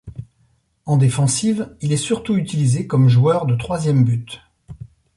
En défensive, il est surtout utilisé comme joueur de troisième but.